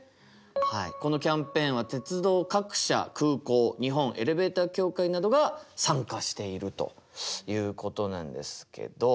はいこのキャンペーンは鉄道各社空港日本エレベーター協会などが参加しているということなんですけど。